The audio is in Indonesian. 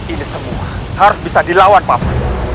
ini semua harus bisa dilawan publik